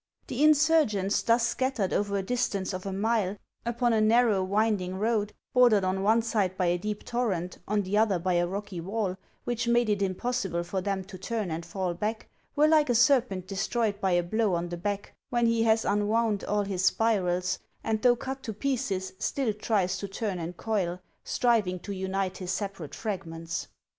The insurgents, thus scattered over a distance of a mile, upon a narrow, winding road, bordered on one side by a deep torrent, on the other by a rocky wall, which made it impossible for them to turn and fall back, were like a ser pent destroyed by a blow on the back, when lie has un wound all his spirals, and, though cut to pieces, still tries to turn and coil, striving to unite his separate fragments.